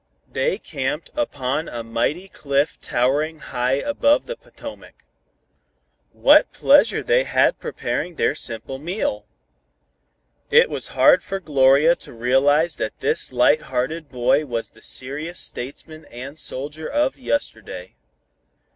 They camped upon a mighty cliff towering high above the Potomac. What pleasure they had preparing their simple meal! It was hard for Gloria to realize that this lighthearted boy was the serious statesman and soldier of yesterday.